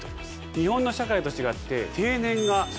日本の社会と違って。